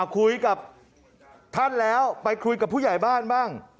คุยกับท่านแล้วไปคุยกับผู้ใหญ่บ้านบ้าง